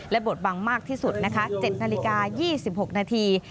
และบทบังมากที่สุด๗นาฬิกา๒๖นาที